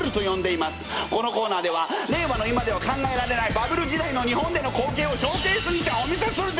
このコーナーでは令和の今では考えられないバブル時代の日本での光景をショーケースにしてお見せするぜ！